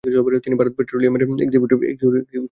তিনি ভারত পেট্ররোলিয়ামের এক্সিকিউটিভ হিসেবে কাজ করতেন।